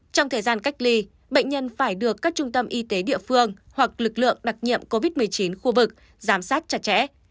trong thời gian cách ly bệnh nhân phải được các trung tâm y tế địa phương hoặc lực lượng đặc nhiệm covid một mươi chín khu vực giám sát chặt chẽ